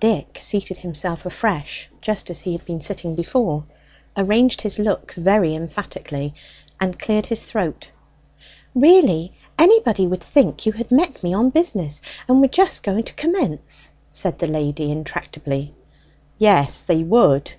Dick seated himself afresh just as he had been sitting before, arranged his looks very emphatically, and cleared his throat. "Really, anybody would think you had met me on business and were just going to commence," said the lady intractably. "Yes, they would."